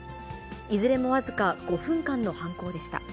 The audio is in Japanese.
いずれも僅か５分間の犯行でした。